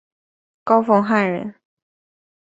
高凤翰人。